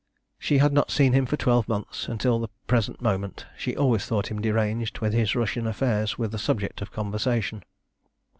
She had not seen him for twelve months until the present moment. She always thought him deranged when his Russian affairs were the subject of conversation.